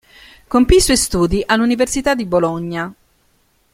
Compì i suoi studi all'Università di Bologna.